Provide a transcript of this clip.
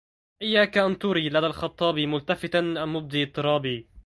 إياك أن تُرَى لدى الخطابِ مُلتفتا أو مبديَ اضْطِرابِ